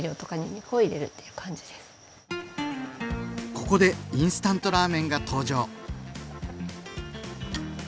ここでインスタントラーメンが登場。